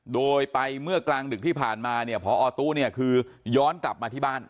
โดยไปเมื่อกลางดึกที่ผ่านมาเนี่ยพอตู้เนี่ยคือย้อนกลับมาที่บ้าน